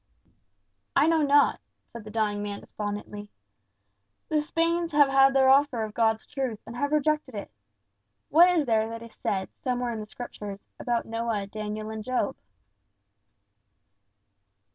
"I know not," said the dying man despondingly. "The Spains have had their offer of God's truth, and have rejected it. What is there that is said, somewhere in the Scriptures, about Noah, Daniel, and Job?"